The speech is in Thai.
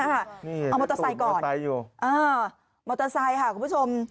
เอามอเตอร์ไซค์ก่อนมอเตอร์ไซค์ค่ะคุณผู้ชม